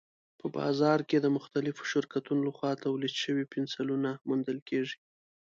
په بازار کې د مختلفو شرکتونو لخوا تولید شوي پنسلونه موندل کېږي.